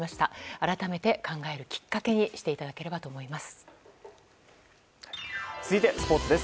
改めて考えるきっかけにしていただければと思います。